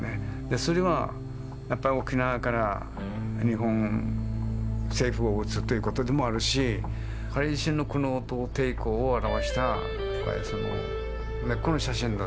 それはやっぱり沖縄から日本政府を撃つということでもあるし彼自身の苦悩と抵抗を表した根っこの写真だっていうふうに思いますね。